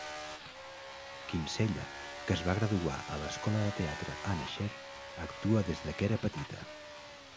Kinsella, que es va graduar a l'Escola de Teatre Anna Scher, actua des de que era petita.